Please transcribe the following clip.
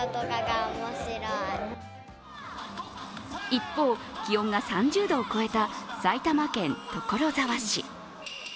一方、気温が３０度を超えた埼玉県所沢市。